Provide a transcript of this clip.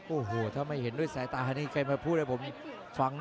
โอ้โหถ้าไม่เห็นด้วยสายตาอันนี้ใครมาพูดให้ผมฟังนะ